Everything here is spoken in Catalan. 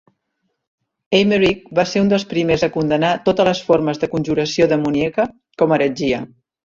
Eymerich va ser un dels primers a condemnar totes les formes de conjuració demoníaca com a heretgia.